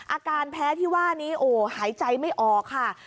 อาการแพ้ที่ว่านี้โอ้หายใจไม่ออกค่ะ